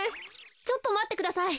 ちょっとまってください。